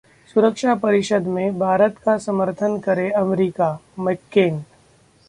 सुरक्षा परिषद में भारत का समर्थन करे अमेरिका: मैक्केन